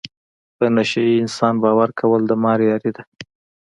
په نشه یې انسان باور کول د مار یاري ده.